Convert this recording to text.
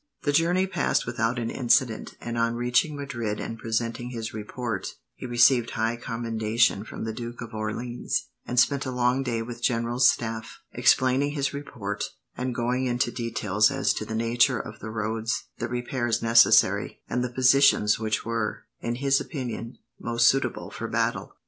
The journey passed without an incident, and on reaching Madrid and presenting his report, he received high commendation from the Duke of Orleans, and spent a long day with the general's staff, explaining his report, and going into details as to the nature of the roads, the repairs necessary, and the positions which were, in his opinion, most suitable for battle.